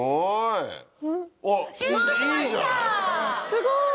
すごい。